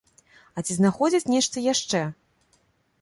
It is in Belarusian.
А ці знаходзяць нешта яшчэ?